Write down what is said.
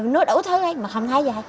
nói đủ thứ mà không thấy gì